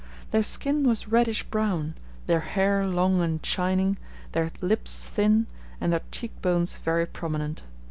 Their skin was reddish brown, their hair long and shining, their lips thin, and their cheekbones very prominent.